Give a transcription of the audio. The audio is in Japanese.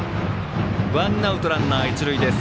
ワンアウト、ランナー、一塁です。